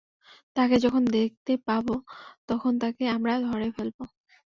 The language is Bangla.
তাকে যখন দেখতে পাবো তখন তাকে আমরা ধরে ফেলবো।